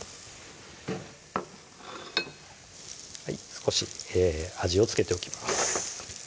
少し味を付けておきます